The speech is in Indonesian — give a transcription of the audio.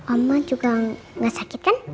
oma juga gak sakit kan